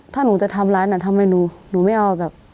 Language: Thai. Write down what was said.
ถ้าหนูจะทำร้ายหนูทำไมหนูหนูไม่เอาแบบ